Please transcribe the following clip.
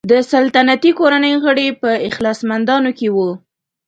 د سلطنتي کورنۍ غړي په اخلاصمندانو کې وو.